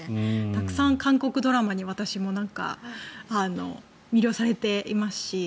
たくさん韓国ドラマに私も魅了されていますし